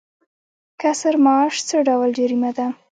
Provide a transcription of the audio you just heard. کسر معاش څه ډول جریمه ده؟